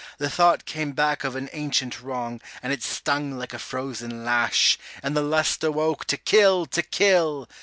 The thought came back of an ancient wrong, and it stung like a frozen lash, And the lust awoke to kill, to kill.